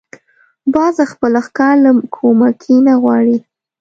باز خپل ښکار له کومکي نه غواړي